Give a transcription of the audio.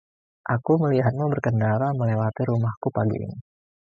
Aku melihatmu berkendara melewati rumahku pagi ini.